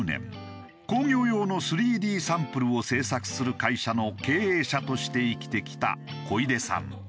工業用の３Ｄサンプルを製作する会社の経営者として生きてきた小出さん。